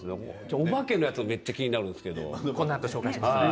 お化けのやつ、めっちゃ気になるんですけれども。